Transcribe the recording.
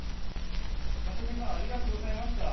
さとみさんありがとうございました。